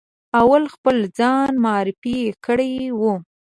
اول خپل ځان معرفي کړی وي.